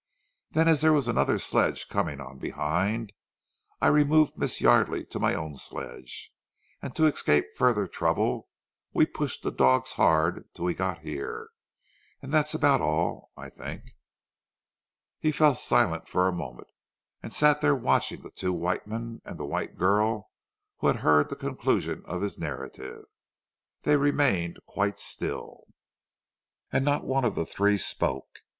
Then as there was another sledge coming on behind, I removed Miss Yardely to my own sledge, and to escape further trouble we pushed the dogs hard till we got here.... And that's about all, I think." He fell silent for a moment, and sat there watching the two white men and the white girl who had heard the conclusion of his narrative. They remained quite still, and not one of the three spoke.